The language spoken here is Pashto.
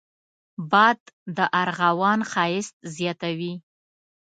باد د ارغوان ښايست زیاتوي